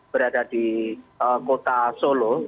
berada di kota solo